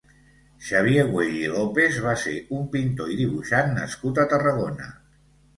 Xavier Güell i López va ser un pintor i dibuixant nascut a Tarragona.